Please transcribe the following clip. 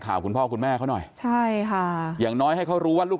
คุณพ่อคุณแม่เขาหน่อยใช่ค่ะอย่างน้อยให้เขารู้ว่าลูก